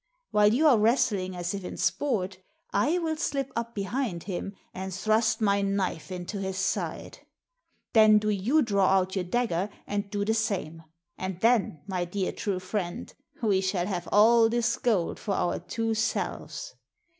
While you are wrestling as if in sport, I will slip up behind him and thrust my tift {paxhoMx'B Zcxit III knife into his side. Then do you draw out your dagger and do the same. And then, my dear, true friend, we shall have all this gold for our two selves.